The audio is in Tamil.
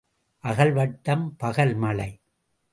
அகல் வட்டம் பகல் மழை.